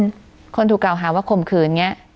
สมมุติว่าคนถูกเก่าหาว่าข่มขืนอย่างนี้